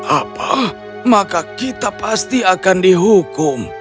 apa maka kita pasti akan dihukum